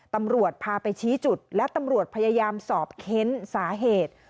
ตำรวจพาไปชี้จุดและตำรวจพยายามสอบเค้นสาเหตุ